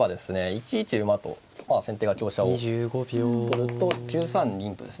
１一馬と先手が香車を取ると９三銀とですね。